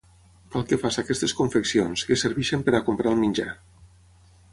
Cal que faça aquestes confeccions, que serveixen per a comprar el menjar...